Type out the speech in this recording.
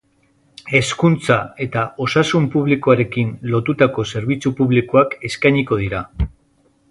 Hezkuntza eta osasun publikoarekin lotutako zerbitzu publikoak eskainiko dira.